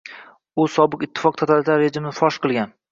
U sobiq ittifoq totalitar rejimini fosh qilgan